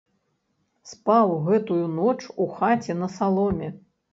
Спаў гэтую ноч у хаце на саломе.